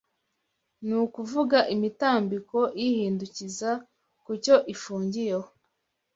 n'ukuvuga imitambiko yihindukiza kucyo ifungiyeho